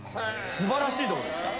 素晴らしいとこですから。